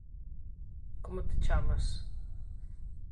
_¿Como te chamas?